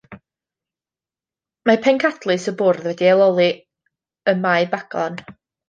Mae pencadlys y bwrdd wedi ei leoli ym Mae Baglan.